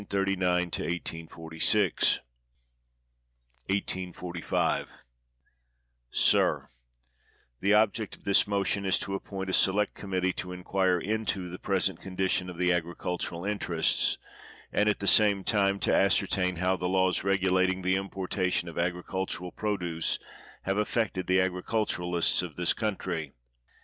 Sib, the object of this motion is to appoint a select committee to inquire into the present con dition of the agricultural interests; and, at the same time, to ascertain how the laws regulating the importation of agricultural produce have affected the agriculturists of this country.